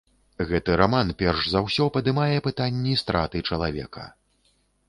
Гэты раман перш за ўсё падымае пытанні страты чалавека.